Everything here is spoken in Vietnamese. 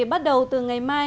bắt đầu từ ngày mai